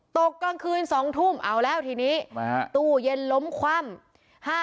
กลางคืน๒ทุ่มเอาแล้วทีนี้ตู้เย็นล้มคว่ำ